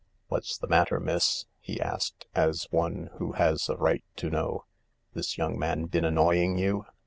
" What's the matter, miss ? "he asked, as one who has a right to know. "This young man been annoying you